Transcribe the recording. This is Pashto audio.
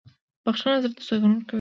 • بخښنه زړه ته سکون ورکوي.